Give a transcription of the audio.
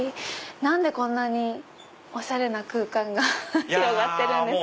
何でこんなにおしゃれな空間が広がってるんですか？